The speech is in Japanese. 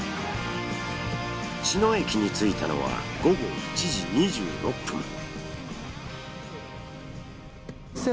茅野駅に着いたのは午後１時２６分。